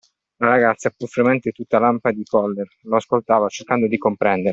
La ragazza, pur fremente e tutta lampi di collera, lo ascoltava, cercando di comprendere.